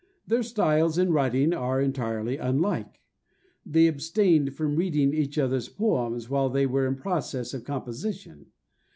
Their styles in writing are entirely unlike. They abstained from reading each other's poems while they were in process of composition.